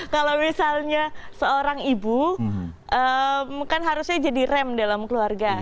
kalau misalnya seorang ibu kan harusnya jadi rem dalam keluarga